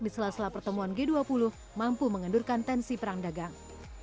di sela sela pertemuan g dua puluh mampu mengendurkan tensi perang dagang